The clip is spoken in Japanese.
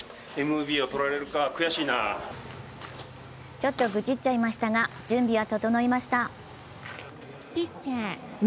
ちょっと愚痴っちゃましたが、準備は整いました。